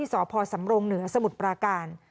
ที่สพสำรงค์เหนือสมุดปราการ